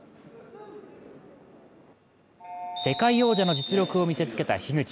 世界王者の実力を見せつけた樋口。